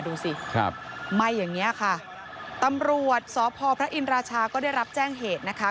ดูสิครับไหม้อย่างเงี้ยค่ะตำรวจสพพระอินราชาก็ได้รับแจ้งเหตุนะคะ